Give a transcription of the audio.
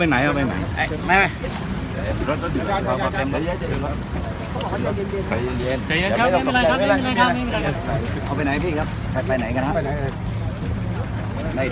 เอาไปไหน